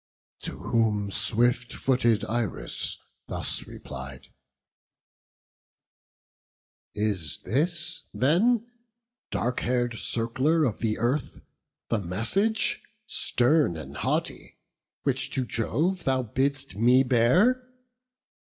To whom swift footed Iris thus replied: "Is this, then, dark hair'd Circler of the Earth, The message, stern and haughty, which to Jove Thou bidd'st me bear?